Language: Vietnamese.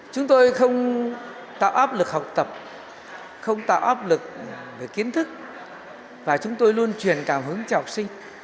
chúng tôi không tạo áp lực học tập không tạo áp lực về kiến thức và chúng tôi luôn truyền cảm hứng cho học sinh